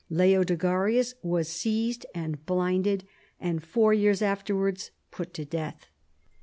Leodegarius was seized and blinded, and four years afterwards put to death.